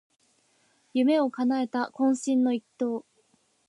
夢をかなえた懇親の一投